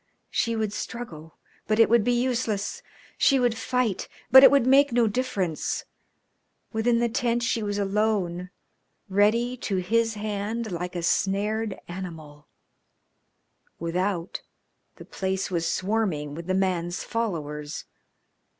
She would struggle, but it would be useless; she would fight, but it would make no difference. Within the tent she was alone, ready to his hand like a snared animal; without, the place was swarming with the man's followers.